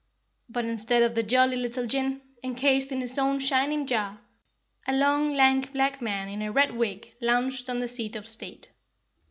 But instead of the jolly little Jinn, encased in his own shining jar, a long, lank black man in a red wig lounged on the seat of state.